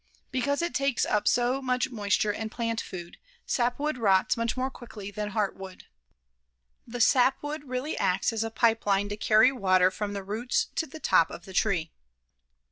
Because it takes up so much moisture and plant food, sapwood rots much more quickly than heartwood. The sapwood really acts as a pipe line to carry water from the roots to the top of the tree.